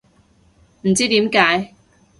唔知點解